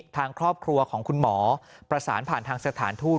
ทางครอบครัวของคุณหมอประสานผ่านทางสถานทูต